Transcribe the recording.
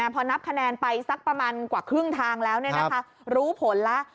พอนับคะแนนไปสักประมาณกว่าครึ่งทางแล้วรู้ผลแล้ว